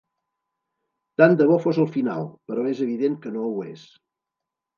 Tant de bo fos el final, però és evident que no ho és